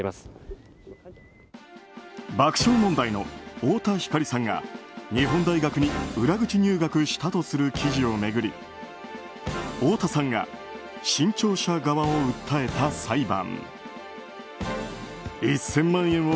爆笑問題の太田光さんが日本大学に裏口入学したとする記事を巡り太田さんが新潮社側を訴えた裁判。